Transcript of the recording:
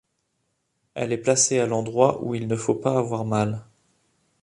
Elle est placée à l’endroit où il ne faut pas avoir mal.